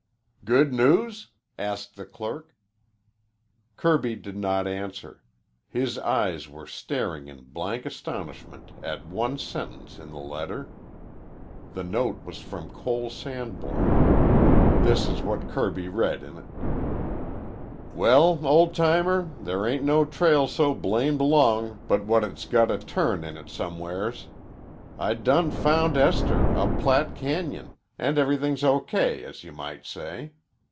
"Good news?" asked the clerk. Kirby did not answer. His eyes were staring in blank astonishment at one sentence in the letter. The note was from Cole Sanborn. This is what Kirby read in it: Well, old timer, there aint no trail so blamed long but what its got a turn in it somewheres. I done found Esther up Platte Cañon and everythings OK as you might say.